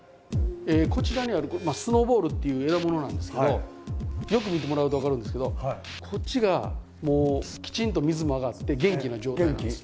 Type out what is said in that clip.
こちらにあるスノーボールっていう枝ものなんですけどよく見てもらうと分かるんですけどこっちがきちんと水もあがって元気な状態なんです。